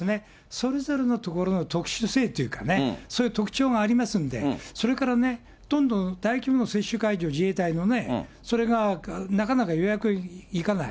それぞれの所の特殊性っていうかね、そういう特徴がありますんで、それからね、どんどん大規模接種会場、自衛隊のね、それがなかなか予約いかない。